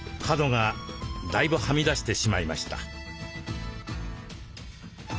角がだいぶはみ出してしまいました。